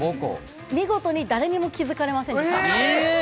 見事に誰にも気付かれませんでしええっ！